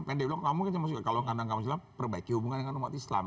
kan dia bilang kamu suka kalau ngandang kamu islam perbaiki hubungan dengan umat islam